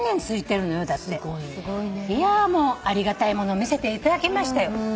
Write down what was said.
いやもうありがたいものを見せていただきましたよ。